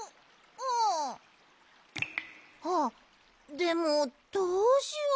でもどうしよう。